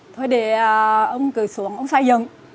thôi để ông cười xuống ông xây dựng